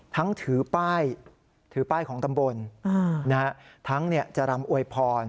ทั้งถือป้ายของตำบลทั้งรำอวยพร